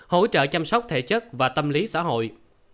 hỗ trợ chăm sóc thể chất và tâm lý xã hội